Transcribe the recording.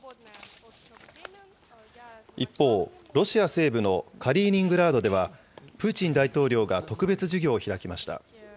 一方、ロシア西部のカリーニングラードでは、プーチン大統領が特別授業を開きました。